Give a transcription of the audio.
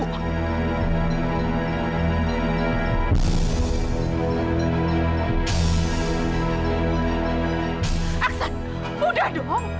aksan mudah dong